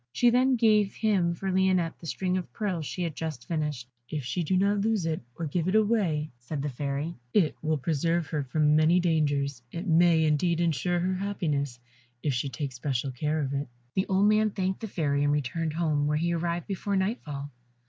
She then gave him for Lionette the string of pearls she had just finished. "If she do not lose it, or give it away," said the Fairy, "it will preserve her from many dangers. It may, indeed, insure her happiness if she take special care of it." The old man thanked the Fairy and returned home, where he arrived before nightfall.